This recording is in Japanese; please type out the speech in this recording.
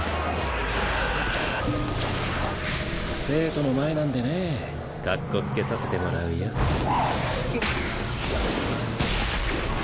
生徒の前なんでねかっこつけさせてもらうよ。